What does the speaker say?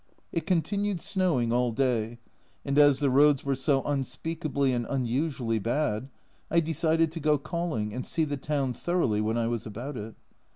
It continued snowing all day, and as the roads were so unspeakably and unusually bad, I decided to go calling and see the town thoroughly when I was about it.